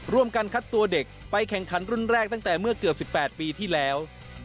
การคัดตัวเด็กไปแข่งขันรุ่นแรกตั้งแต่เมื่อเกือบ๑๘ปีที่แล้ว